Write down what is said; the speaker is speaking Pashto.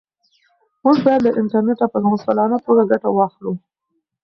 موږ باید له انټرنیټه په مسؤلانه توګه ګټه واخلو.